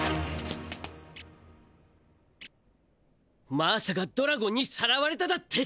マーサがドラゴンにさらわれただって！？